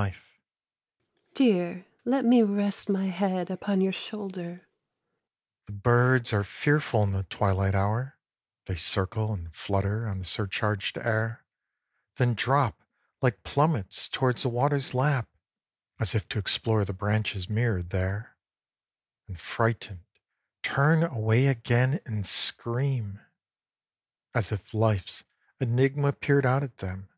SHE : Dear, let me rest my head upon your shoulder. HE: The birds are fearful in the twilight hour ; They circle and flutter on the surcharged air, Then drop like plummets towards the water's lap, As if to explore the branches mirrored there, And frightened turn away again and scream, As if Life's enigma peered out at them.